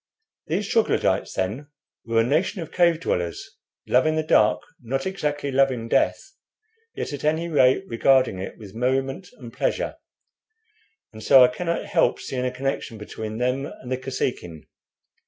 These Troglodytes, then, were a nation of cave dwellers, loving the dark not exactly loving death, yet at any rate regarding it with merriment and pleasure; and so I cannot help seeing a connection between them and the Kosekin."